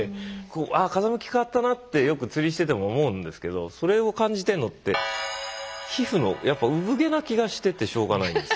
こうああ風向き変わったなってよく釣りしてても思うんですけどそれを感じてるのって皮膚の産毛な気がしててしょうがないんです。